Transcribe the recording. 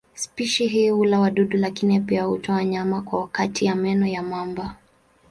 Spishi hii hula wadudu lakini pia hutoa nyama kwa kati ya meno ya mamba.